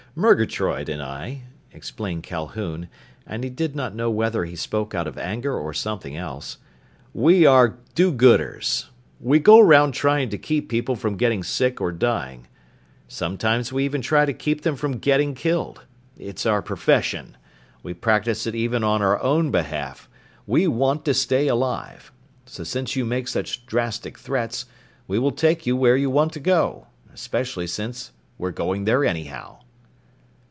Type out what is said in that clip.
"Murgatroyd and I," explained Calhoun and he did not know whether he spoke out of anger or something else "we are do gooders. We go around trying to keep people from getting sick or dying. Sometimes we even try to keep them from getting killed. It's our profession. We practise it even on our own behalf. We want to stay alive. So since you make such drastic threats, we will take you where you want to go. Especially since we're going there anyhow."